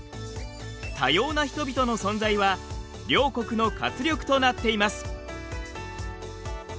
多様な人々の存在は両国の活力となっています。